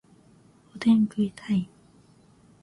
おでん食いたい